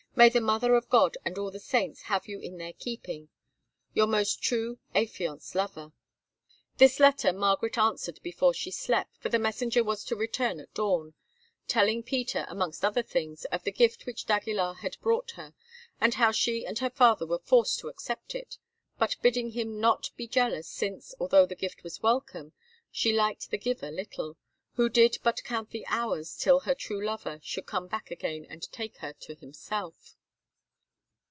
May the Mother of God and all the saints have you in their keeping! Your most true affianced lover." This letter Margaret answered before she slept, for the messenger was to return at dawn, telling Peter, amongst other things, of the gift which d'Aguilar had brought her, and how she and her father were forced to accept it, but bidding him not be jealous, since, although the gift was welcome, she liked the giver little, who did but count the hours till her true lover should come back again and take her to himself.